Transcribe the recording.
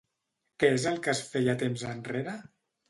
Què és el que es feia temps enrere?